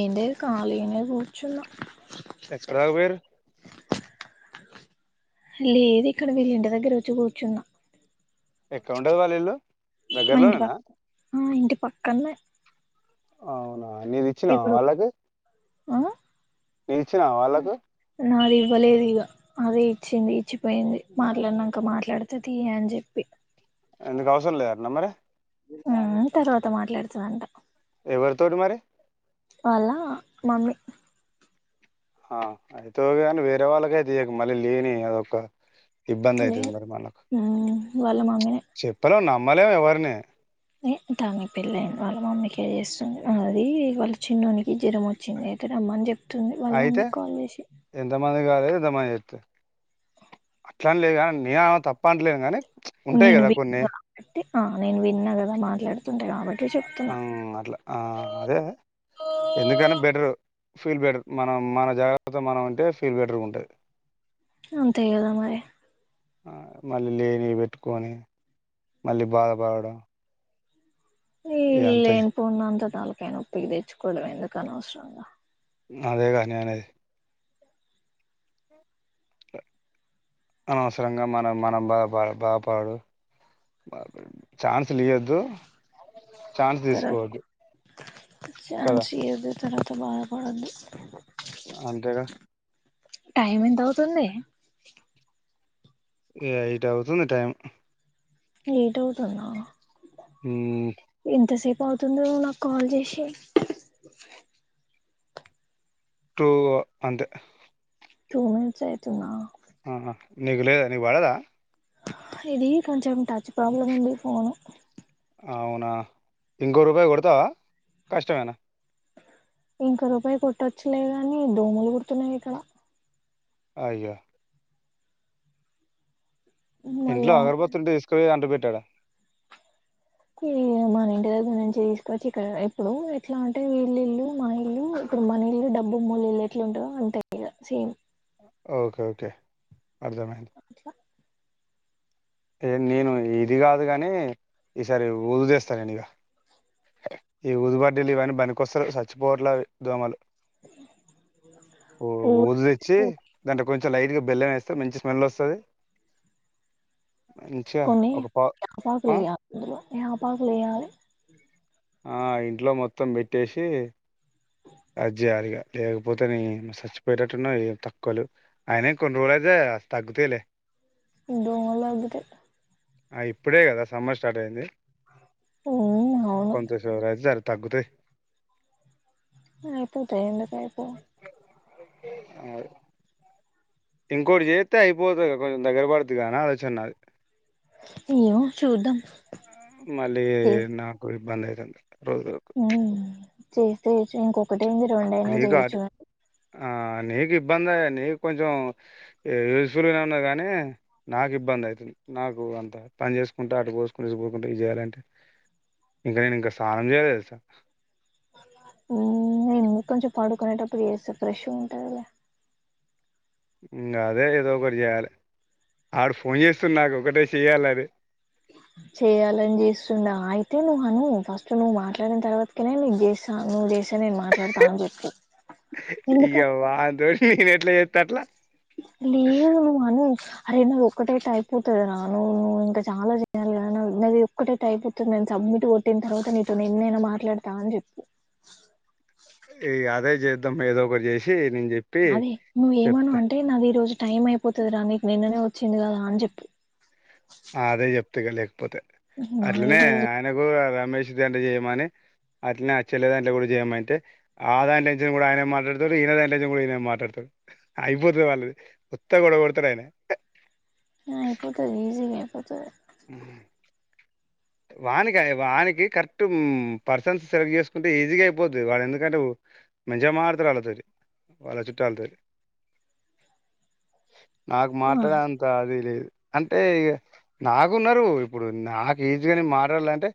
ఎమ్లె కాళీన కూచన్నా ఎక్కడ వయరు లేదు ఇక్కడ వీళ్ళ ఇంటి దగ్గర వచ్చి కూర్చున్నా ఎక్క ఉండదు వాళ్ళీల్ళు మా ఇంటి పక్క ఆ ఇంటి పక్కన్న అవును నీది ఇచ్చినా వాళ్ళకు ఆ నీది ఇచ్చినా వాళ్ళకు నాది ఇవ్వలేదు ఇక అదే ఇచ్చింది ఇచ్చిపోయింది మాట్లాడినాక మాట్లాడితే తీయ అని చెప్పి ఎందుకు అవసరం లేద న మర ఉమ్ తర్వాత మాట్లాడుతుాందింట ఎవరి తోటి మరి వాళ్ళ మమ్మీ ఆ అయితేగాని వేరే వాళ్ళకై తీయక మళ్ళీ లేని అదొక ఇబ్బంది అవుతుది లేదు మరి మనకు ఉమ్ వాళ్ళ మమ్మీనే చెప్పలో నా మలవవర్ణ దామి పెళ్ళ వాళ్ళ మమ్మీకి చేస్తుంది అది వాళ్ళ చిన్ననికి జ్వరం వచ్చింది అయితే రమ్మ అని చెప్ అయితే ఎంతమంది కాలేదు మతే అట్లాలేదు కానీ నిం తప్పట్లేదు కానీ ఉంటాయి నేను కదా విన్నా కొన్ని కాబట్టి నేను విన్నా కదా మాట్లాడ కావట్టి ఆ అట్లా ఆ అదే ఎందుకని బెటరు ఫీల్ బెటర్ మనం మన జాగ్రత్త మనం అంటే ఫీల్ బెటర్గా ఉంటుంది అంతయ్యదా మరి ఆ మళ్ళీ లేని పెట్టుకొని మళ్ళీ బాధపడడం ఇగ అంతే ఇల్న్ పూర్ణ అంత వాళ్ళకైనా ఒప్పికి తెచ్చుకోవలేడం ఎందుకు అనవసరంగా అదేగా నేననేది అనవసరంగా మనం మనం బా బా బా పడు బాపడు ఛాన్స్ లు ఇయ్యెద్దు. ఛాన్స్ తర్వాత తీసుకోవద్దు కదా ఛాన్స్ ఇయ్యదు తర్వాత బాధపడొద్దు అంతేగా టైమ్ ఎంత అవుతుంది ఏయిట్ అవుతుంది టైం ఏటవుతుందా హ్మ్ పోతుందా నాకు కాల్ జేసి టూ అంతే టూ మినిట్స్ అయితున్న ఆ నీగి లేదా నీ బాలేదా ఇది కొంచెం టచ్ ప్రాబ్లం ఉంది ఫోను అవునా ఇంకో రూపాయి కొడతావా కష్టమేనా ఇంకో రూపాయి కొట్టొచ్చులే గానీ దోమలు కుడుతున్నాయి ఇక్కడ అయ్యో ఇంట్లో మళ్ళా అగరబత్తు ఉంటే తీసుకవోయి అంటు బె ట్టడ ఈ మన ఇంటి దగ్గర నుంచి తీసుకవచ్చి ఇక్కడ ఎప్పుడు ఎట్లా, అంటే వీల్లు ఇల్లు మా ఇల్లు ఇప్పుడు మన ఇల్లు డబ్బుమ్మి ఇల్లు ఎట్లుంటందో అంతే ఇగ సేమ్. ఓకే ఓకే అర్థమైంది ఇట్లా ఎ నేను ఇది గాదు గాని ఈసారి ఊదుదేస్తా, నేను ఇగ ఈ ఊదు బాటిల్ ఇవన్నీ బనికొస్తలేవు, సచ్చిపోవట్ల అవి దోమలు. ఓ ఒ ఊ ఊదుదెచ్చి దాంట్ల కొంచం లైట్ గా బెల్లం వేస్తె మంచి స్మెల్ వస్తది మంచిగా కొన్ని ఒక పా యపాకులు ఆ ఎయలి అందులో యాపాకులు వేయాలి ఆ ఇంట్లో మొత్తం బెట్టేసి అది జేయాలిగా లేకపోతే ని సచ్చిపోయేటట్టున్నా ఏం తక్కువ లేవ్, అయినా కొన్ని రోజులైతే తగ్గుతయిలె. దోమలు దగ్గుతయ్ ఆ ఇప్పుడే గదా సమ్మర్ స్టార్ట్ అయింది మ్మ్ అ కొంత [unintelligible] తగ్గుతయ్ ఆ అయిపోతాయ్ ఎందుకు అయిపో అవ్ ఇంకోటి చేత్తే అయిపోతయిగ కొంచం దగ్గర పడుద్దిగా నా ఆలోచన్ నాది ఏమో చూద్దాం చే భంద్ అయితందా రోజు వరకు ఉమ్ చేస్తే చెయ్ ఇంకొక డైలీ రెండు అయిన జేయుచు ఆట- గ నీకు ఇబ్బందె నీకు కొంచం యూజ్ఫుల్గానే ఉన్నా గానీ నాకు ఇబ్బంది ఐతుది నాకు అంత పని చేసుకుంట అటు పోసుకుంటే ఇసుపోసుకుంటే ఇది చేయ్యాలంటే ఇంకా నేను ఇంకా స్నానం చేయాల దెల్స ఉమ్ కొంచం పాడుకునేటప్పుడు జేస్తే ఫ్రెష్ ఉంటదులే ఇ అదే ఏదో ఒకటి చేయాలి అడ్ ఫోన్ చేస్తుడ్ నాకు ఒకటే చెయ్యాలి అది చేయాలని చేస్తుండ అయితే నువ్వు అను ఫస్ట్ నువ్వు మాట్లాడిన తర్వాతకనే నీకు చేస్తా నువ్వు చేసే నేను మాట్లాడతా అని చెప్పు ఇయ్య ఎందుకంటే వాన్తో నేని ఎట్లా చేత్తా అట్లా లేదు మధు అరే నా ఒక్కటైతే అయిపోతది రా నువ్వు ఇంకా చాలా చేయాలిగద నాది ఒక్కటైతే అయిపోతుంది తెల్సా. సబ్మిట్ కొట్టిన తర్వాత నీతోనే ఎన్నైనా మాట్లాడతా అని జెప్పు. ఈ అదే చేద్దాం ఏదో ఒకటి జెసి ఆది నువ్ఎమను అంటే నాది ఈ రోజు టైం అయిపోతది రా నీకు నిన్ననే వచ్చింది గదా అని చెప్పు అదే చెప్తగాలి పోత నాది ఈ అట్లనే రోజు ఆయనకు మెష్ జెయమని అట్నే చెల్లదాంట్లో కూడా జయమ అంటే ఆ దాషన్ కూడా ఆయన మాట్లాడతాడు ఈయన దాషన్ కూడా ఈయన మాట్లాడతాడు అయిపోతది వాళ్ళది ఉత్త గొడవ కొడతాడు ఆయన ఆ అయిపోతుంది ఈజీగా అయిపోతది వానికి వానికి కరెక్ట్ పర్సన్స్ సెలెక్ట్ చేసుకుంటే ఈజీగా అయిపోద్ది వాళ్ళ ఎందుకంటే మంచిగా మాట్లాడుతాడు వాళ్ళతోటీ వాళ్ళ చుట్టాల తోటి నాకు మా మాట్లాడే అంత అది లేదు అంటె ఇగ నాకున్నారు ఇప్పుడు నాకు ఈజీగా న మాట్లాడాలంటే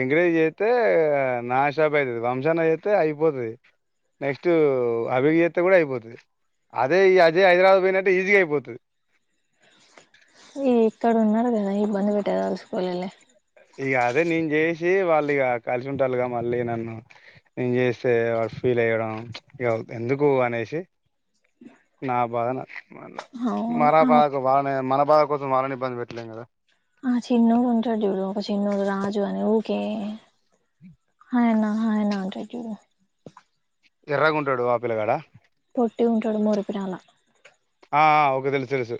ఇంక్రెజ్ అయితే నా షాప్ అవుతుంది వంశాన చేతే అయిపోతుది నెక్స్ట్ అబి జేతే కూడా అయిపోతుంది అదే అజే హైదరాబాద్ పోయినట్టే ఈజీగా అయిపోతుంది ఈ ఇక్కడ ఉన్నడు కదా ఇబ్బంది పెట్ట దలుసుకోలేదులే. ఇగా అదే నేను చేసి వాళ్ళు ఇక కలిసి ఉంటాలు కదా మళ్ళీ నన్ను నేను చేస్తే వాడు ఫీల్ అయ్యడం ఇక ఎందుకు అనేసి నా బాధా నాకు మల్ల మనా అవును బాధా కు వాలనే మన కోసం వలని ఇబ్బంది పెట్టలేం కదా ఆ చిన్నోడు ఉంటాడు జూడు చిన్నోడు రాజు అనే ఓకే [inaudible] ఆయన ఆయన అంటాడు జూడు ఎర్రగా ఉంటాడు ఆ పిలగాడా. పొట్టిగా ఉంటాడు మూరుపిరాల ఆ ఓకే తెలుసు తెలుసు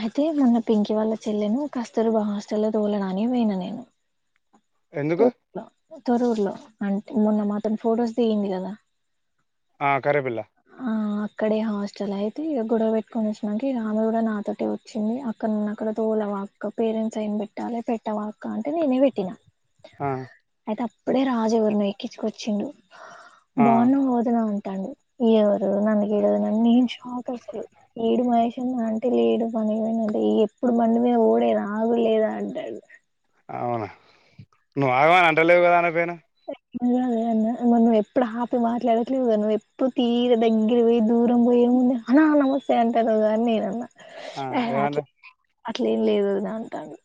అయితే మొన్న పింకి వాళ్ళ చెల్లెను కస్తూరబా హాస్టల్లో తోలడానికి పోయినా నేను ఎందుకు తరు తొర్రూర్ లో అంటే మొన్న మాతోటి ఫొటోస్ దిగింది కదా ఆ కర్రె పిల్ల ఇక్కడే హాస్టల్ అయితే ఇక గొడవ పెట్టుకొని వచ్చినాక ఇక ఆమె కూడా నాతోటి వచ్చింది. అక్కడ నున్న అక్కడ తోలవాక్క పేరెంట్స్ సైన్ పెట్టాలే. పెట్టవాక్క అంటే నేనే పెట్టినా. ఆ తె అప్పుడే రాజు ఎవరినో ఎక్కిచ్చుకొచ్చిండు. ఆ బావున్న పోతదామె. తను ఇయ్యిడ్ నన్ను గిడ గని నేన్ షాక్ కసలు లేడు మహేష్ అన్న అంటే, లేడు పనికి పోయిండు అంటే, ఇగ ఎప్పుడు బండి మీద పోవుడేన ఆగుడు లేదా అంటాండు. అవునా నువ్వు ఆగవాని అంటలేవు కదా ఆనక పోయినవ్ అ అదేన్న మరి నువ్వు ఎప్పుడు ఆపి మాట్లాడట్లేవుగా నువ్వు ఎప్పుడు తీర దగ్గర పోయి దూరం పోయేముంది అన్న నమస్తే అంటారు కాని నేన అన్న ఆ ఏమన్నది అట్లెం లేదు ఒదిన అంటాడు.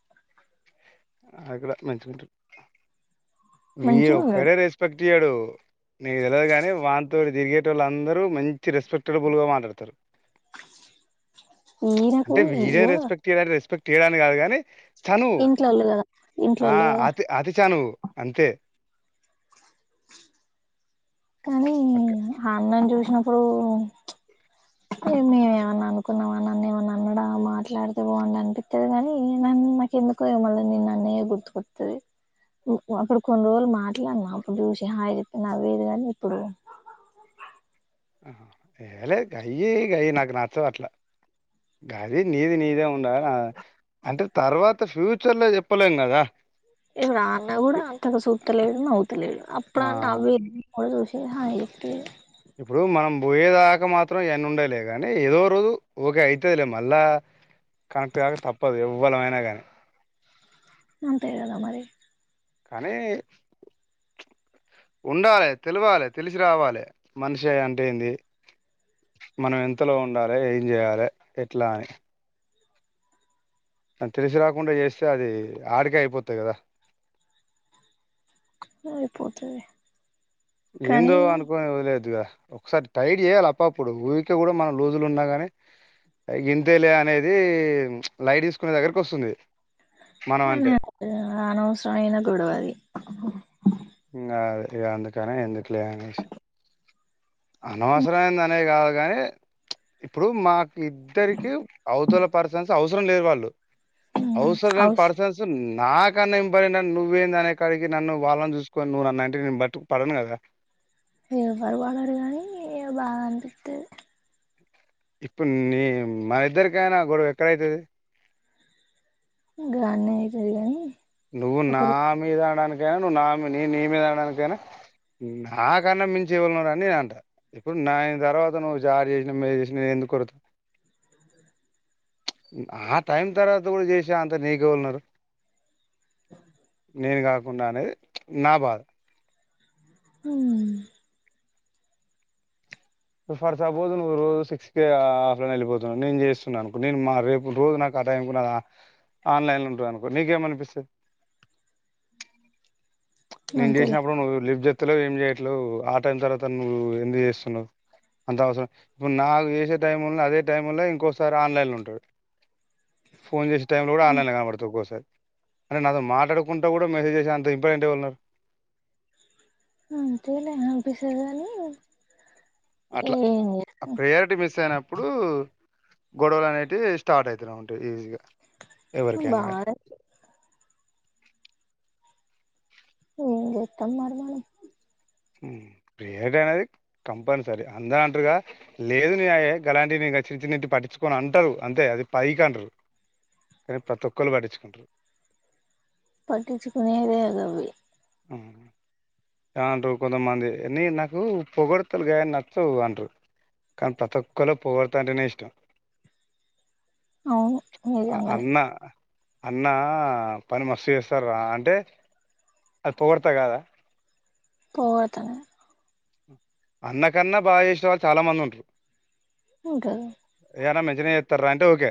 అక్కడ మంచిగుంటర్ మంచిగా ఉన్నాడు వీడోక్కడే రెస్పెక్ట్ తీయడు, నీకు తెల్వదు గాని వాన్తోటి తిరిగేటోల్లాందరూ మంచి రెస్పెక్టడ్బుల్ గా మాట్లాడతారు. ఈయనకు అంటే, వీడే ఇగో రెస్పెక్ట్ ఇయడ్ రెస్పెక్ట్ తీయడానికి కాదు కని చనువు. ఇంట్లోళ్ళు కదా ఆ ఇంట్లోళ్ళు కదా అతి, అతి చనువు. అంతే. కనీ, అక్క ఆ అన్నను చూసినప్ ఓ తె, మేమ్ ఏమన్న అనుకున్నమ? నన్నేమన్నా అన్నాడా? మాట్లాడితే బావుండు అనిపిత్తది కనీ, నన్ను నాకెందుకో మల్ల నిన్నన్నయే గుర్తుకత్తది. ఉమ్ అప్పుడు కొన్ని రోజులు మాట్లాడినా, అప్పుడు చూసి హాయి చెప్పి నవ్వేది కాని ఇప్పుడు. అహా, తెహలె గయ్యే గయి నాకు నచ్చవు అట్లా. గది నీది నీదే ఉన్ ఉంటద కాద? అంత తర్వాత, ఫ్యూచర్ లో చెప్పలేం కదా? ఇప్పుడు ఆ అన్న కూడ అంటడు సుత్తలేదు, నవ్వుతలేదు. అప్పుడు ఆ నవ్వేద్ డో చూసి హాయ్ చెప్తది. ఇప్పుడు మనం పోయేదాకా మాత్రం ఇయన్ని ఉండయి లేకనీ, ఏదో రోజు ఓకే అయితది లే మళ్ళా కనెక్ట్ కాక తప్పదు, ఎవ్వలమైనా కాని. అంతే కదా మరి? కనీ ఉండాలె, తెలవాలె, తెలిసి రావాలె. మనిషి అంటే ఏంది, మనం ఎంతలో ఉండాలె, ఏం చేయాలె, ఎట్లా అని? అద్ తెలిసి రాకుండా చేస్తే అదీ, ఆడికే అయిపోతది కదా? అయిపోతది. ఎందో కానీ అనుకొని వదిలెయొద్దు కదా? ఒకసారి టైట్ చేయాల అప్పుప్పుడు. ఊరికె కూడ మనం లూజులున్నా గని, గింతేలే అనేది లైట్ తీసుకునే దగ్గరకి వస్తుంది. మనం అంటే అ, అనవసరమైన గొడవ అది. [inaudible] ఇంకా అందుకని ఎందుకులే అనేసి అనవసరం అయిందనే కాదు కాని ఇప్పుడు మాకు ఇద్దరికి అవతల పరసన్స్ అవసరం లేదు వాళ్ళు అవుసర లేని అవస పర్సన్స్ నాకన్నా ఇంపార్టెంట్ అని నువ్వేంది అనే కాడికి నన్ను వాళ్ళని చూసి కొని నువ్వు నన్ను అంటే నేను బట్టు పడను కదా ఎవరు వాడరు గానీ బాద అనిపిత్తది ఇప్పుడు నీ మా ఇద్దరికైనా గొడవ ఎక్కడైతది గాన్నే అయితది కనీ. నువ్వు నా మీద అనడానిక్ గాని, నువ్వు నామి, నేన్ నీ మీద అనడానికైనా. నా కన్నా మించి ఎవలున్నరని అని నేనంట, ఇప్పుడు నయన్ తర్వాత నువ్వు స్టార్ట్ చేసినా ఎం చేసిన ఎందుకు కొడత? ఉమ్ ఆ టైం తర్వాత కూడ చేసా అంత నీకెవళున్నరు? నేను కాకుండ అనేది, నా బాధ. అ ఫర్ సపోజ్ నువ్వు రోజు సిక్స్ కే ఆఫ్లైన్ వెళ్ళిపోతున్నావు. నేను చేస్తున్నానుకో నేను మా రేపటి రోజు నాకు ఆ టైం కు నాది ఆన్లైన్ లో ఉంట అనుకో నీకేమనిపిస్తది. నేను అంతేలే చేసినప్పుడు నువ్వు లిఫ్ట్ జేత్ వక్తులో [unintelligible] ఏం చేయట్లేవు ఆ టైం తర్వాత నువ్వు ఎందుకు చేస్తున్నావు అంత అవసరం ఇప్పుడు నాకు చేసే టైంలొ అదే టైంలో ఇంకోసారి ఆన్లైన్లో ఉంటాడు. ఫోన్ చేసే టైంలో కూడా ఆ ఆన్లైన్ లొ కనబడతవ్ ఒక్కోసారి అంటే నాతో మాట్లాడుకుంటా కూడా మెసేజ్ చేసే అంత ఇంప న్నారు [unintelligible] అంతే లే అపేసారు కాని అట్లా ఆ ప్రయారిటీ మిస్ అయినప్పుడు గొడవలు అనేటివి స్టార్ట్ అయితునే ఉంటాయి ఈజీగా చేస్తాం ఎవరికైనాగాని బాధ ఏం చేతన్నారు మరి ప్రియారిటీ అనేది కంపల్సరీ అందరంటరుగా లేదు న గలాంటివి నేను చిన్న చిన్నటి పట్టించుకొను అంటరు. అంతే అది పైకి అంటరు కానీ ప్రతి ఒక్కరు పట్టించుకుంటారు. పటిించుకునేదే గవి ఆ ఎమంటరు కొంతమంది ని నాకు పొగొడతరు కాని నచ్చవు అంటరు కానీ ప్రతి ఒక్కలకు పొగడ్త అంటేనే ఇష్టం. అవును నిజంగానే అన్నా అన్నా పని మస్తు చేస్తారు రా అంటే అది పొగొడ్త కాదా పోగడ్తే అన్న కన్నా బాగా చేసిన వాళ్ళు చాలా మంది ఉంటరు ఉంటది తినేతర రా అంటే ఓకే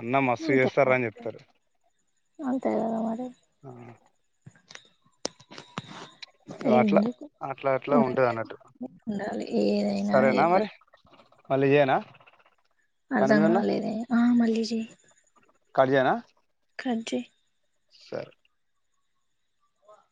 అన్న మస్తు అంతే చేస్తారా కదా అని చెప్తారు అంతే కదా మరి అట్లా ఎందుకు అట్లా అట్లా ఉంటది అన్నట్టు ఉండాలి ఏదైనా సరేనా మరి ఎవరైనా మళ్ళీ జేయనా అర్ధం కాలేదే ఆ మళ్లీ జేయ్ కడ్ జయానా కాట్ జేయ్ సరే